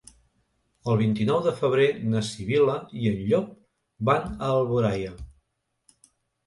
El vint-i-nou de febrer na Sibil·la i en Llop van a Alboraia.